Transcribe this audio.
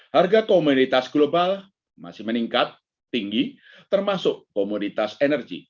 harga komoditas global masih meningkat tinggi termasuk komoditas energi